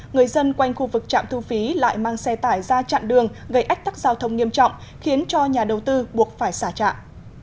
người dân quanh khu vực trạm thu phí lại mang xe tải ra chặn đường gây ách tắc giao thông nghiêm trọng khiến cho nhà đầu tư buộc phải xả trạng